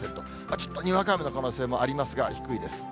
ちょっとにわか雨の可能性もありますが、低いです。